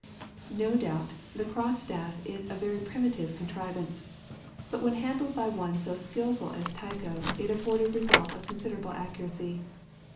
long.)] No doubt the cross staff is a very primitive contrivance, but when handled by one so skilful as Tycho it afforded results of considerable accuracy.